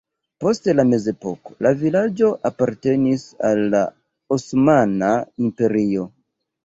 Post la mezepoko la vilaĝo apartenis al la Osmana Imperio.